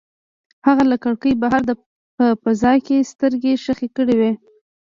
هغه له کړکۍ بهر په فضا کې سترګې ښخې کړې وې.